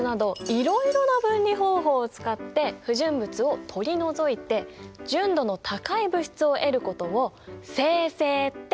いろいろな分離方法を使って不純物を取り除いて純度の高い物質を得ることを精製っていうんだよ。